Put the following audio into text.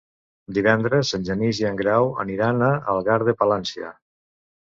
Divendres en Genís i en Grau aniran a Algar de Palància.